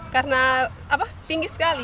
karena tinggi sekali